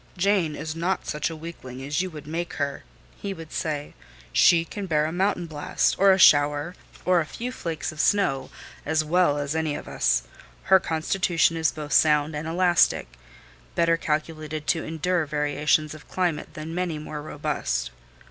"Jane is not such a weakling as you would make her," he would say: "she can bear a mountain blast, or a shower, or a few flakes of snow, as well as any of us. Her constitution is both sound and elastic;—better calculated to endure variations of climate than many more robust."